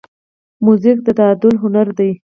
موزیک د تعادل هنر دی.